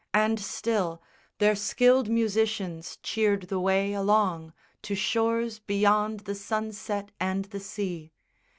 And still Their skilled musicians cheered the way along To shores beyond the sunset and the sea.